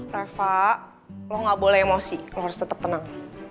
reva lo gak boleh emosi lo harus tetap tenang